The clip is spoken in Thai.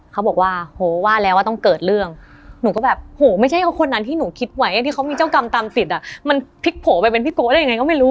เขาบอกว่าโหว่าแล้วว่าต้องเกิดเรื่องหนูก็แบบโหไม่ใช่เขาคนนั้นที่หนูคิดไว้ที่เขามีเจ้ากรรมตามสิทธิอ่ะมันพลิกโผล่ไปเป็นพี่โกได้ยังไงก็ไม่รู้